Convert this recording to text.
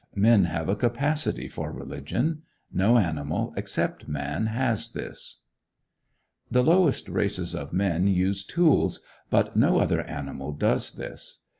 Men have a capacity for religion; no animal, except man, has this. The lowest races of men use tools, but no other animal does this.